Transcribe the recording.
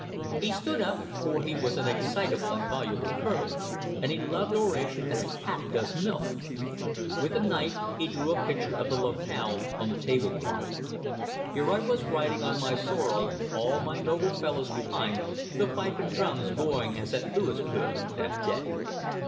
He stood up, for he was an excitable and voluble Colonel, and he loved oration as a cat does milk. With a knife he drew a picture of the locale on the table cloth. "Here I was riding on my sorrel, all my noble fellows behind, the fife and drums going as at Louisburg that day!